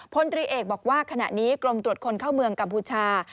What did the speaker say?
พลตรีเอกบอกว่าขณะนี้กรมตรวจคนเข้าเมืองกัมพูชา